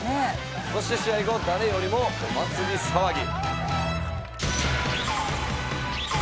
そして試合後誰よりもお祭り騒ぎ。